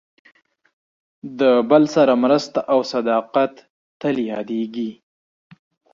د بل سره مرسته او صداقت تل یادېږي.